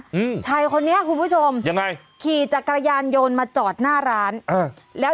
อืมชายคนนี้คุณผู้ชมยังไงขี่จักรยานโยนมาจอดหน้าร้านอ่าแล้ว